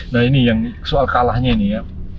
nah ini yang soal kalahnya ini ya